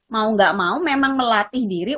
mau gak mau memang melatih diri